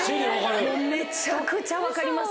めちゃくちゃ分かります。